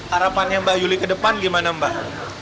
harapannya mbak yuli ke depan gimana mbak